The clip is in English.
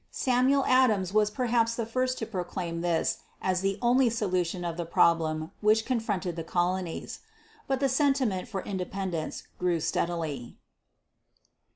Samuel Adams was perhaps the first to proclaim this as the only solution of the problem which confronted the colonies. But the sentiment for independence grew steadily.